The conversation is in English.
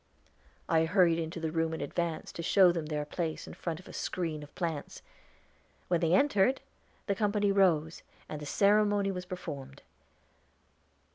I hurried into the room in advance to show them their place in front of a screen of plants. When they entered the company rose, and the ceremony was performed.